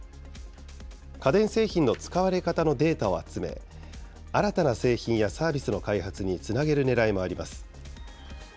家電製品の使われ方のデータを集め、新たな製品やサービスの開発につなげるねらいもあります。